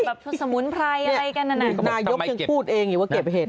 สมุนไพรอะไรกันนั่นน่ะนายกยังพูดเองอยู่ว่าเก็บเห็ด